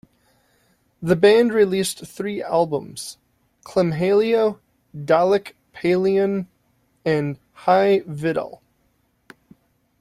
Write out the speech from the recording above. The band released three albums, "Clymhalio", "Dalec Peilon" and "Hei Vidal!".